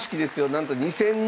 なんと２，０００人！